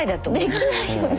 できないよね。